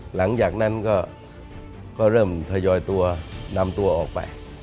หลังจากนั้นก็เริ่มทยอยตัวนำตัวออกไป